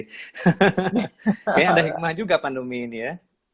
kayaknya ada hikmah juga pandemi ini ya